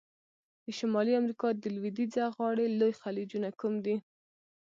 د شمالي امریکا د لویدیځه غاړي لوی خلیجونه کوم دي؟